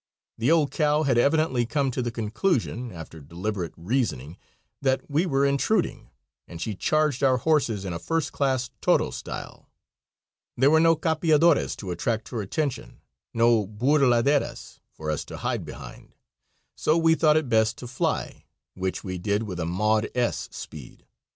The old cow had evidently come to the conclusion, after deliberate reasoning, that we were intruding, and she charged our horses in a first class "toro" style. There were no capeadores to attract her attention, no bourladeras for us to hide behind, so we thought it best to fly, which we did with a Maud S speed.